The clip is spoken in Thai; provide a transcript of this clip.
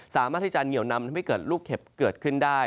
สามารถที่จะเหนียวนำทำให้เกิดลูกเห็บเกิดขึ้นได้